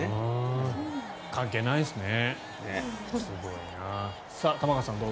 関係ないですね。